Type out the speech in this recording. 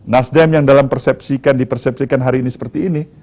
nasdem yang dalam persepsikan dipersepsikan hari ini seperti ini